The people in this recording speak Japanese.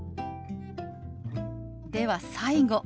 では最後。